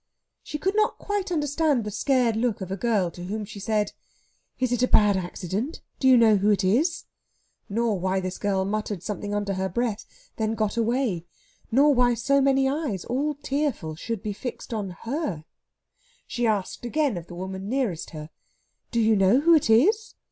She could not quite understand the scared look of a girl to whom she said, "Is it a bad accident? Do you know who it is?" nor why this girl muttered something under her breath, then got away, nor why so many eyes, all tearful, should be fixed on her. She asked again of the woman nearest her, "Do you know who it is?"